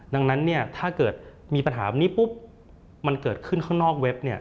ดังนั้นถ้าเกิดมีปัญหาแบบนี้มันเกิดขึ้นข้างนอกเว็บ